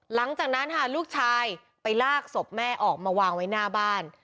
หลังจากนั้นค่ะลูกชายไปลากศพแม่ออกมาวางไว้หน้าบ้าน